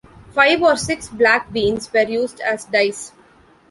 Five or six black beans were used as dice.